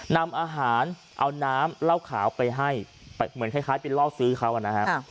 นำอาหารเอาน้ำเหล้าขาวไปให้เหมือนคล้ายไปล่อซื้อเขานะครับ